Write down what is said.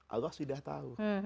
allah sudah tahu